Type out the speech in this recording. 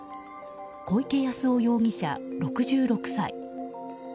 小池康雄容疑者、６６歳。